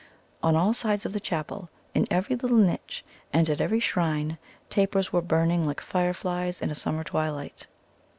On all sides of the chapel, in every little niche, and at every shrine, tapers were burning like fireflies in a summer twilight.